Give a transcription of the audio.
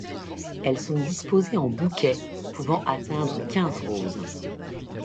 Elles sont disposées en bouquets pouvant atteindre quinze roses.